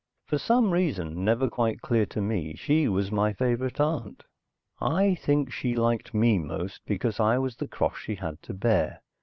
For some reason, never quite clear to me, she was my favorite aunt. I think she liked me most because I was the cross she had to bear.